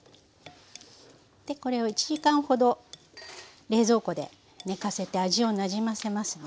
これを１時間ほど冷蔵庫で寝かせて味をなじませますね。